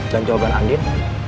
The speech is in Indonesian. dan jawaban andin